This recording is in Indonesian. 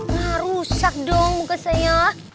nah rusak dong muka saya